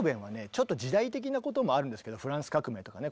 ちょっと時代的なこともあるんですけどフランス革命とかね